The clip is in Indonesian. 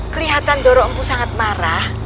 kelihatan doro empu sangat marah